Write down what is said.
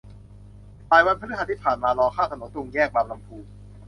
บ่ายวันพฤหัสที่ผ่านมา รอข้ามถนนตรงแยกบางลำพู